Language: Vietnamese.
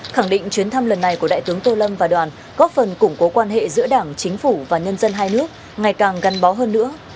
khẳng định chuyến thăm lần này của đại tướng tô lâm và đoàn góp phần củng cố quan hệ giữa đảng chính phủ và nhân dân hai nước ngày càng gắn bó hơn nữa